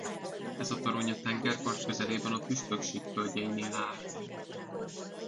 Ez a torony a tengerpart közelében a püspökség földjeinél állt.